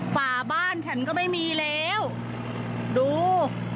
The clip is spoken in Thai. ฝาบ้านฉันก็ไม่มีแล้วดู